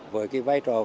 với cái vai trò vị trí